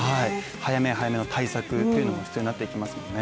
早め早めの対策というのも必要になってきますよね。